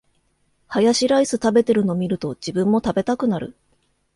ハヤシライス食べてるの見ると、自分も食べたくなる